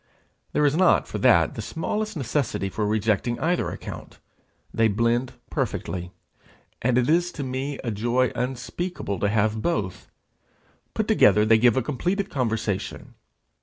There is not for that the smallest necessity for rejecting either account; they blend perfectly, and it is to me a joy unspeakable to have both. Put together they give a completed conversation.